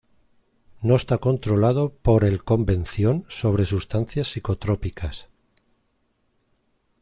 No está controlado por el Convención sobre sustancias psicotrópicas.